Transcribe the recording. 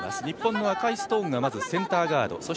日本の赤いストーンがまずセンターガード。